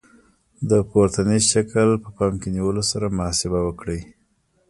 د پورتني شکل په پام کې نیولو سره محاسبه وکړئ.